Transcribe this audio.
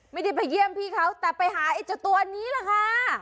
ไม่ได้ไปเยี่ยมพี่เขาแต่ไปหาไอ้เจ้าตัวนี้แหละค่ะ